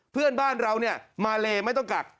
เพื่อนบ้านเราเนี่ยมาเลไม่ต้องกัก